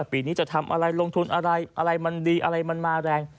ปีนี้จะทำอะไรลงทุนอะไรอะไรมันดีอะไรมันมาแรง